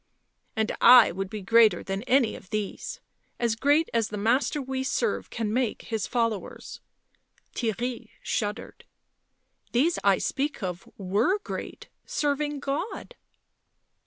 " And I would be greater than any of these — as great as the Master we serve can make his followers." Theirry shuddered. " These I speatk of were great, serving God."